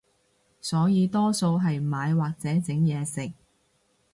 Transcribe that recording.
所以多數係買或者整嘢食